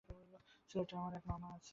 সিলেটে আমার এক মামা আছেন।